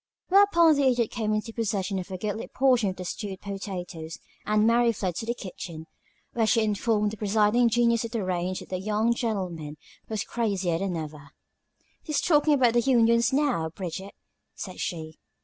Whereupon the Idiot came into possession of a goodly portion of the stewed potatoes, and Mary fled to the kitchen, where she informed the presiding genius of the range that the young gentleman was crazier than ever. "He's talkin' about the unions, now, Bridget," said she.